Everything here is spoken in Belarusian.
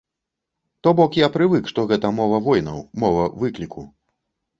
То бок, я прывык, што гэта мова воінаў, мова выкліку.